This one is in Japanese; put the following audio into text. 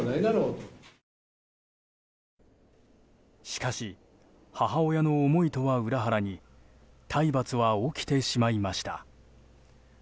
しかし、母親の思いとは裏腹に体罰は起きてしまいました。